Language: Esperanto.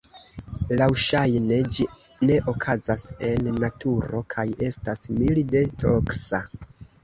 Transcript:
Laŭŝajne ĝi ne okazas en naturo kaj estas milde toksa.